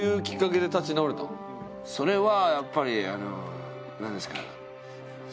それはやっぱりあのなんですか？